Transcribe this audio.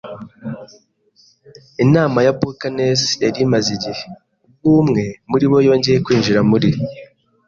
Inama ya buccaneers yari imaze igihe, ubwo umwe muribo yongeye kwinjira muri